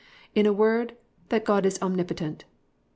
In a word, that God is omnipotent.